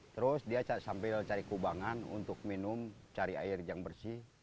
terus dia sambil cari kubangan untuk minum cari air yang bersih